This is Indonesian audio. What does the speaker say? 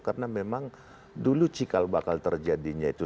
karena memang dulu cikal bakal terjadinya itu